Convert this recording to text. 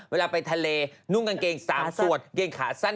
เวลาไปทะเลนุ่งกางเกง๓สวดเกงขาสั้น